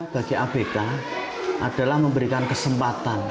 bagi abk adalah memberikan kesempatan